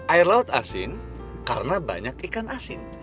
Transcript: air laut asin karena banyak ikan asin